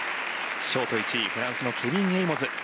ショート１位フランスのケビン・エイモズ。